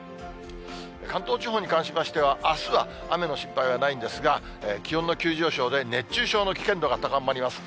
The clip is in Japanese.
関東地方に関しましてはあすは雨の心配はないんですが、気温の急上昇で熱中症の危険度が高まります。